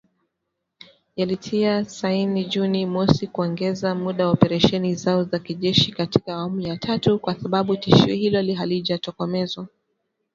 yalitia saini Juni mosi kuongeza muda wa operesheni zao za kijeshi katika awamu ya tatu, kwa sababu tishio hilo halijatokomezwa